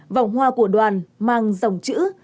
vòng hoa của đoàn mang dòng chữ